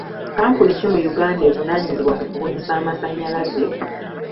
Kkampuni ki mu Uganda ezivunaanyizibwa ku kubunyisa amasannyalaze?